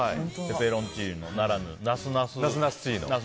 ペペロンチーノならぬナスナスチーノ。